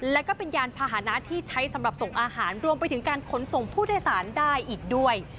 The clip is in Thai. และก็เป็นยานพาหนะที่ใช้สำหรับส่งอาหารรวมไปถึงการขนส่งผู้โดยสารได้อีกด้วย